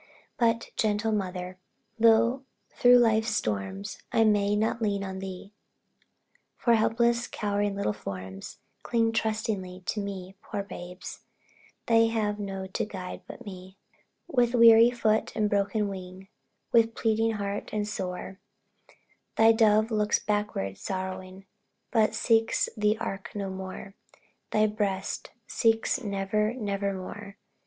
But, gentle Mother, through life's storms, I may not lean on thee, For helpless, cowering little forms Cling trustingly to me Poor babes! To have no guide but me! With weary foot, and broken wing, With bleeding heart, and sore, Thy Dove looks backward, sorrowing, But seeks the ark no more thy breast Seeks never, never more.